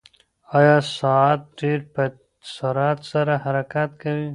ایا ساعت ډېر په سرعت سره حرکت کوي؟